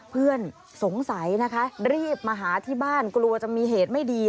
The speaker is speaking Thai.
เพื่อนสงสัยนะคะรีบมาหาที่บ้านกลัวจะมีเหตุไม่ดี